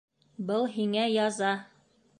Был һиңә яза!